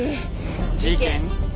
事件。